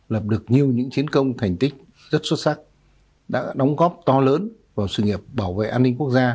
lập được nhiều những chiến công thành tích rất xuất sắc đã đóng góp to lớn vào sự nghiệp bảo vệ an ninh quốc gia